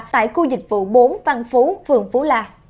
tại khu dịch vụ bốn văn phú phường phú la